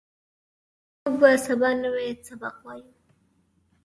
موږ به سبا نوی سبق وایو